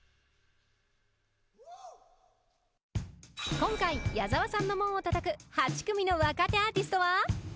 今回矢沢さんの門をたたく８組の若手アーティストは？